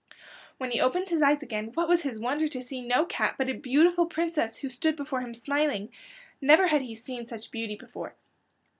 When he opened his eyes again what was his wonder to see no cat, but a beautiful princess who stood before him smiling. Never had he seen such beauty before.